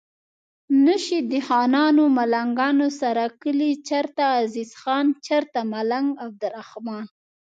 نه شي د خانانو ملنګانو سره کلي چرته عزیز خان چرته ملنګ عبدالرحمان